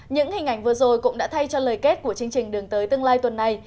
những hình ảnh vừa rồi cũng đã thay cho lời kết của chương trình đường tới tương lai tuần này